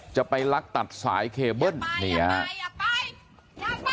จะไปลักตัดสายเคเบิ้ลอย่าไปอย่าไปอย่าไป